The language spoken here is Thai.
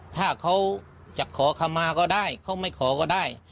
ถ้าเขาจะขอคำมาก็ได้เขาไม่ขอก็ได้